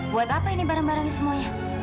buat apa ini barang barangnya semuanya